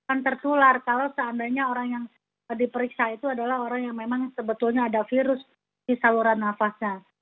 akan tertular kalau seandainya orang yang diperiksa itu adalah orang yang memang sebetulnya ada virus di saluran nafasnya